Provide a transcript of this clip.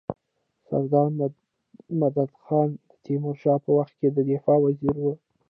سردار مددخان د تيمورشاه په وخت کي د دفاع وزیر وو.